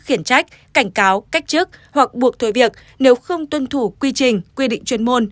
khiển trách cảnh cáo cách chức hoặc buộc thôi việc nếu không tuân thủ quy trình quy định chuyên môn